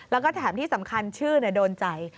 แล้วก็แถมที่สำคัญชื่อโดนใจ